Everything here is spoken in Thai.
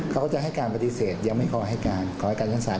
เขาก็จะให้การปฏิเสธยังไม่ขอให้การขอให้การชั้นศาล